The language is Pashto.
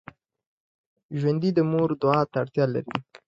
ژوندي د مور دعا ته اړتیا لري